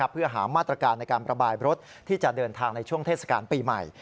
เพื่อหามาตรการในการประบายรถที่จะเดินทางในช่วงเทศกาลปีใหม่